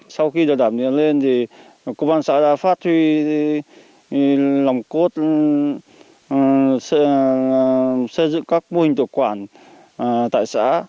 sau khi đảm nhận lên thì công an xã đã phát huy lòng cốt xây dựng các mô hình tự quản tại xã